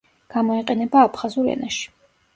გამოიყენება აფხაზურ ენაში.